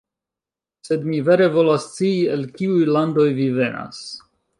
Sed, mi vere volas scii, el kiuj landoj vi venas.